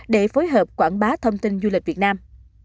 để phối hợp quảng bá thông tin du lịch việt nam